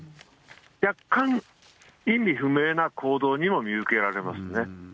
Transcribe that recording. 若干意味不明な行動にも見受けられますね。